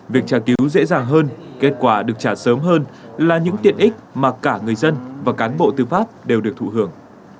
việc trả cứu dễ dàng hơn kết quả được trả sớm hơn là những tiện ích mà cả người dân và cán bộ tư pháp đều được thụ hưởng